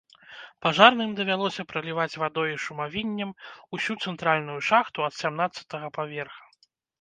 Пажарным давялося праліваць вадой і шумавіннем усю цэнтральную шахту ад сямнаццатага паверха.